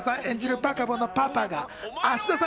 バカボンのパパが芦田さん